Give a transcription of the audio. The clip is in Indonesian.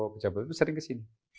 kejabatan itu sering kesini